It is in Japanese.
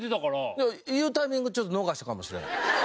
いや言うタイミングちょっと逃したかもしれへん。